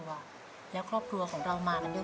ว้าวว้าวว้าว